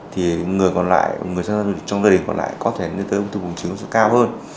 thì người còn lại người trong gia đình còn lại có thể liên quan đến ung thư buồng trứng cao hơn